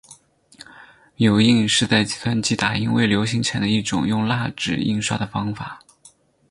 油印是在计算机打印未流行前的一种用蜡纸印刷的方法。